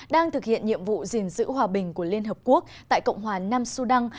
đang thực hiện nhiệm vụ gìn giữ hòa bình của liên hợp quốc tại cộng hòa nam sudan